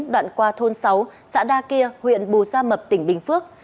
đoạn qua thôn sáu xã đa kia huyện bù gia mập tỉnh bình phước